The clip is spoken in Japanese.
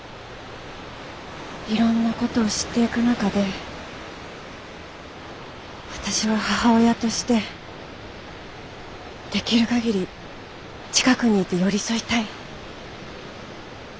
いろんなことを知っていく中で私は母親としてできる限り近くにいて寄り添いたい。